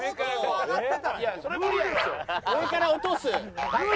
上から落とす。